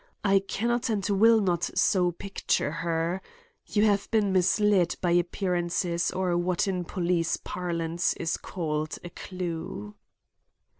I can not and will not so picture her. You have been misled by appearances or what in police parlance is called a clue."